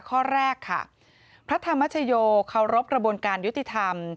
ข้อแรกค่ะพระธรรมชโยเคารพกระบวนการยุติธรรม